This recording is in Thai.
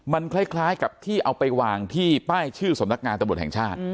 มันคล้ายกับที่เอาไปวางที่ป้ายชื่อสำนักงานตำรวจแห่งชาติ